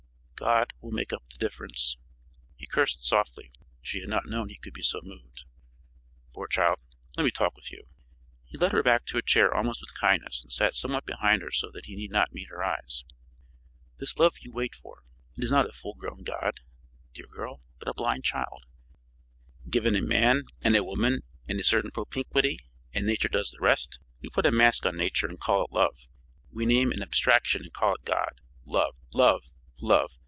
"God will make up the difference." He cursed softly. She had not known he could be so moved. "Poor child, let me talk with you." He led her back to a chair almost with kindness and sat somewhat behind her so that he need not meet her eyes. "This love you wait for it is not a full grown god, dear girl, but a blind child. Given a man and a woman and a certain propinquity, and nature does the rest. We put a mask on nature and call it love, we name an abstraction and call it God. Love! Love! Love!